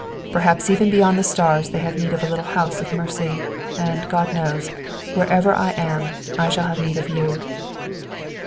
"Perhaps even beyond the stars they have need of a little house of mercy; and, God knows, wherever I am I shall have need of you."